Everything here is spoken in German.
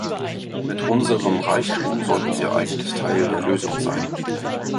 Mit unserem Reichtum sollten wir eigentlich Teil der Lösung sein.